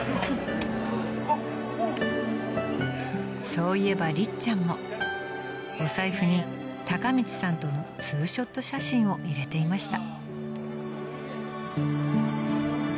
［そういえばりっちゃんもお財布に孝道さんとのツーショット写真を入れていました］